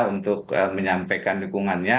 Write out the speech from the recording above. untuk menyampaikan dukungannya